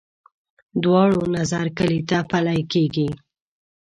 دواړو نظر کلي ته پلی کېږي.